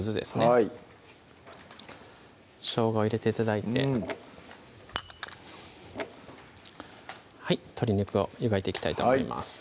はいしょうがを入れて頂いて鶏肉を湯がいていきたいと思います